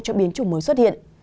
cho biến chủng mới xuất hiện